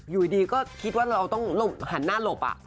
อยู่ดีก็คิดว่าเราต้องหันหน้าหลบ